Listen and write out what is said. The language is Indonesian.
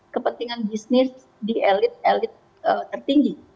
kepentingan bisnis di elit elit tertinggi